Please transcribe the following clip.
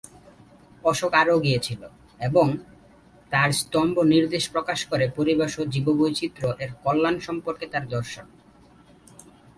অশোক আরও গিয়েছিল, এবং তার স্তম্ভ নির্দেশ প্রকাশ করে পরিবেশ ও জীববৈচিত্র্য-এর কল্যাণ সম্পর্কে তার দর্শন।